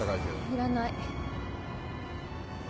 いらない。